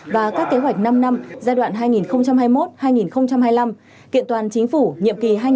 và các kế hoạch năm năm giai đoạn hai nghìn hai mươi một hai nghìn hai mươi năm kiện toàn chính phủ nhiệm kỳ hai nghìn hai mươi một hai nghìn hai mươi